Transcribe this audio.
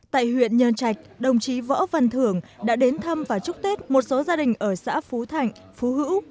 tại huyện nhơn trạch đồng chí võ văn thưởng đã đến thăm và chúc tết một số gia đình ở xã phú thạnh phú hữu